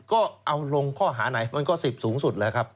ก็เอาลงข้อหาไหนมันก็๑๐สูงสุดแล้วครับ